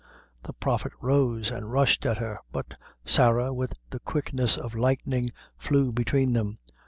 The Prophet rose and rushed at her; but Sarah, with the quickness of lightning, flew between them.